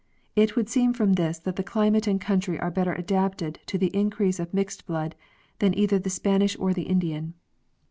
It would seem from this that the climate and country are better adapted to the increase of mixed blood than either the Spanish or the Indian.